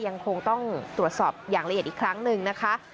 ยังคงต้องตรวจสอบอย่างละเอียดอีกครั้งหนึ่งนะคะ